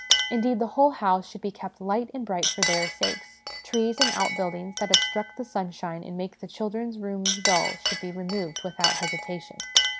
Indeed, the whole house should be kept light and bright for their sakes ; trees and outbuildings that obstruct the sunshine and make the children's rooms dull should be removed without hesitation.